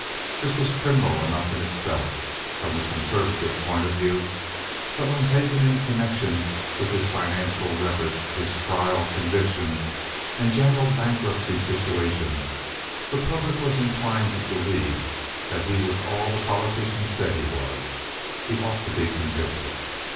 This was criminal enough in itself, from the conservative point of view; but when taken in connection with his financial record, his trial, conviction, and general bankruptcy situation, the public was inclined to believe that he was all the politicians said he was. He ought to be convicted.